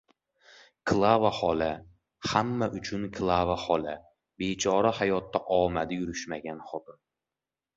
Klava xola — hamma uchun Klava xola. Bechora hayotda omadi yurishmagan xotin.